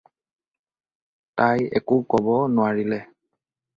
তাই একো ক'ব নোৱাৰিলে।